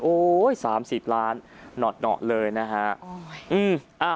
๓๐ล้านหนอดเลยนะฮะ